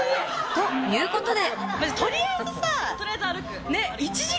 ということで。